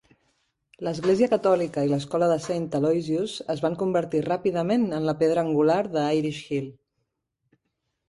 L'Església catòlica i l'escola de Saint Aloysus es van convertir ràpidament en la pedra angular de Irish Hill.